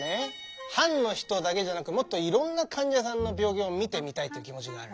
藩の人だけじゃなくもっといろんな患者さんの病気を診てみたいっていう気持ちがある。